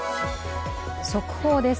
速報です。